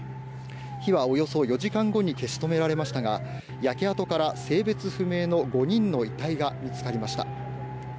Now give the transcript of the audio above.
火はおよそ４時間後に消し止められましたが焼け跡から性別不明の５人の遺体が見つかりました。